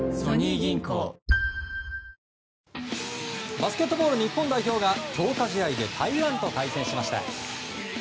バスケットボール日本代表が強化試合で台湾と対戦しました。